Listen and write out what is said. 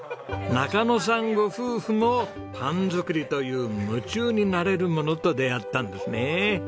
中野さんご夫婦もパン作りという夢中になれるものと出会ったんですね。